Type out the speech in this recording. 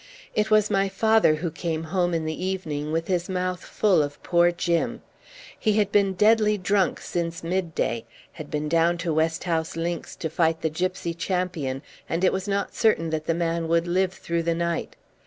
It was my father who came home in the evening with his mouth full of poor Jim. He had been deadly drunk since midday, had been down to Westhouse Links to fight the gipsy champion, and it was not certain that the man would live through the night.